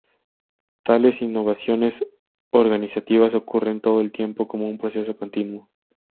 Tales innovaciones organizativas ocurren todo el tiempo, como un proceso continuo.